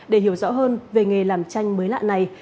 để hiểu rõ hơn về nghề làm tranh mới lạ này